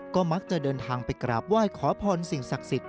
ก็มักจะเดินทางไปกราบไหว้ขอพรสิ่งศักดิ์สิทธิ